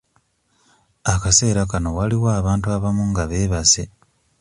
Akaseera kano waliwo abantu abamu nga beebase.